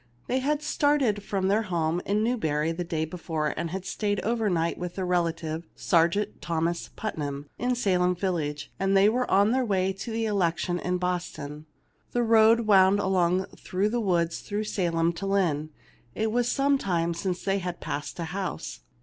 They had started from their home in Newbury the day before, and had stayed overnight with their relative, Sergeant Thomas Putnam, in Salem village ; they were on their way to the election in Boston. The road wound along through the woods from Salem to Lynn ; it was some time since they had passed a house.